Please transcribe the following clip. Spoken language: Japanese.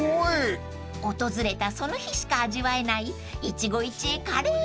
［訪れたその日しか味わえない一期一会カレー］